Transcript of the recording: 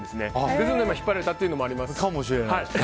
ですので引っ張られたというのもありますし。